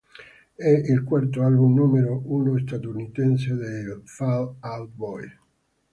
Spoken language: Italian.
È il quarto album numero uno statunitense dei Fall Out Boy.